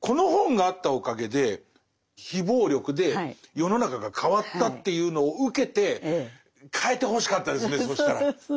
この本があったおかげで非暴力で世の中が変わったというのを受けて変えてほしかったですね